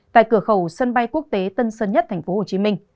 tại cửa khẩu sân bay quốc tế tân sơn nhất tp hcm